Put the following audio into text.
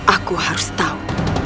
aku harus tahu